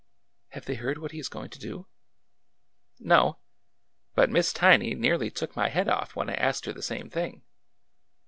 " Have they heard what he is going to do ?"" No. But Miss Tiny nearly took my head off when I asked her the same thing.